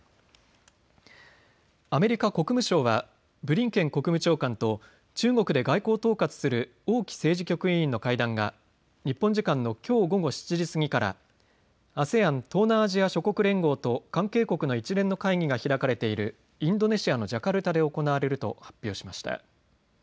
アメリカ国務省はブリンケン国務長官と中国で外交を統括する王毅政治局委員の会談が日本時間のきょう午後７時過ぎからＡＳＥＡＮ・東南アジア諸国連合と関係国の一連の会議が開かれているインドネシアのジャカルタで行われると発表しました。